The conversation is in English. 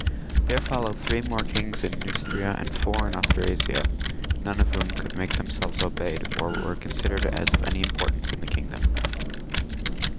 There followed three more kings in Neustria and four in Anstrasia, none of whom could make themselves obeyed, or were con sidered as of any importance in the kingdom.